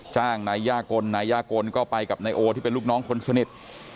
จ้างนายย่ากลนายย่ากลก็ไปกับนายโอที่เป็นลูกน้องคนสนิท